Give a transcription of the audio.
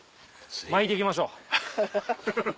巻いていきましょう。